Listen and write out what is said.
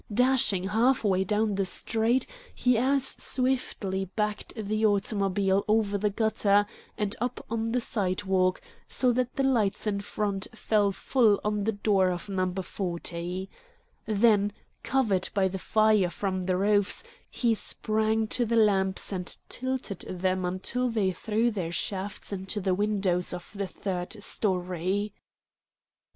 Dashing half way down the street, he as swiftly backed the automobile over the gutter and up on the sidewalk, so that the lights in front fell full on the door of No. 40. Then, covered by the fire from the roofs, he sprang to the lamps and tilted them until they threw their shafts into the windows of the third story.